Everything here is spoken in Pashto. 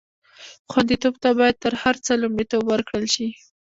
خوندیتوب ته باید تر هر څه لومړیتوب ورکړل شي.